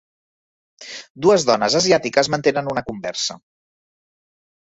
dues dones asiàtiques mantenen una conversa.